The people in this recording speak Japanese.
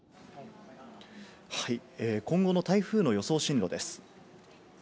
今後の台風の予想進路です。